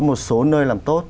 một nơi làm tốt